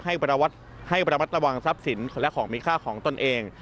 ให้ระมัดระวังทรัพย์สินและของมีค่าของตนเอง